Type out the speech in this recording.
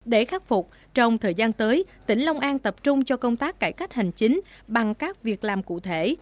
để khắc phục trong thời gian tới tỉnh long an tập trung cho công tác cải cách hành chính bằng các việc làm cụ thể